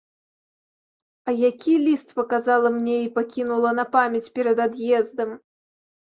А які ліст паказала мне і пакінула на памяць перад ад'ездам!